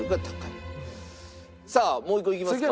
さあもう一個いきますか？